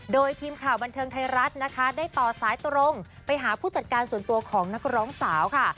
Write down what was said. โดยทีมข่าวบันเทิงไทยรัฐนะคะได้ต่อสายตรงไปหาผู้จัดการส่วนตัวของนักร้องสาวค่ะ